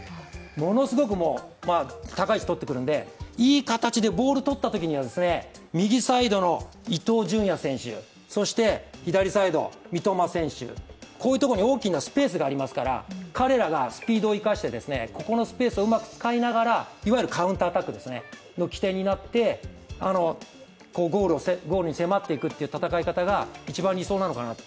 ものすごく高い位置とってくるのでいい形でボールをとったときには、右サイドの伊東純也選手、左サイドの三笘選手こういうところに大きなスペースがありますから、彼らがスピードを生かしてここのスペースをうまく使いながら、カウンターアタックの起点になってゴールに迫っていくという戦い方が一番理想なのかな。